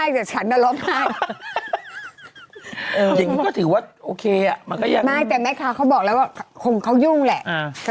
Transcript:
อย่างนี้ก็ถือว่าโอเคอ่ะมันก็ยากไม่แต่แม่ค้าเขาบอกแล้วว่าคงเขายุ่งแหละ